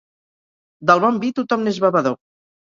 Del bon vi, tothom n'és bevedor.